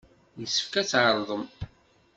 Yessefk ad tɛerḍem.